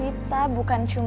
dia udah terus siapin schluss